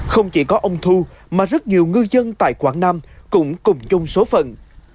không chỉ có ông thu mà rất nhiều ngư dân tại quảng nam cũng cùng chung số phận